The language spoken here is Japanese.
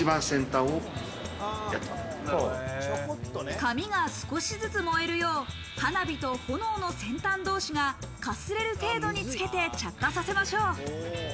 紙が少しずつ燃えるよう花火と炎の先端同士がかすれる程度につけて着火させましょう。